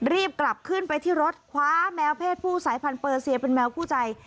รีบกลับขึ้นไปที่รถคว้าแมวเพศผู้สายพันธเปอร์เซียเป็นแมวคู่ใจ